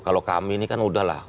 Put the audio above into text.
kalau kami ini kan udahlah